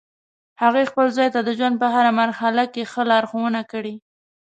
هغې خپل زوی ته د ژوند په هر مرحله کې ښه لارښوونه کړی